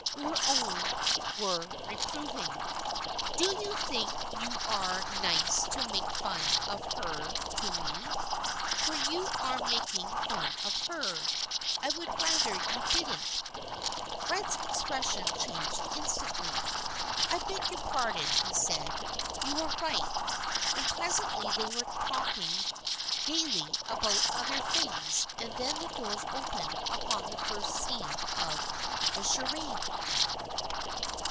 Her own were reproving. " Do you think you are nice to make fun of her to me? For you are making fun of her. I would rather you didn't." Fred's expression changed instantly. " I beg your pardon," he said. " You are right." And presently they were talking gaily about other things, and then the doors opened upon the first scene of the charade.